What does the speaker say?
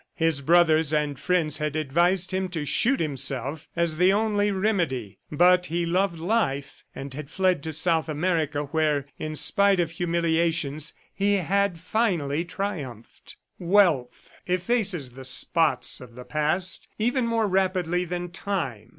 His brothers and friends had advised him to shoot himself as the only remedy; but he loved life and had fled to South America where, in spite of humiliations, he had finally triumphed. Wealth effaces the spots of the past even more rapidly than Time.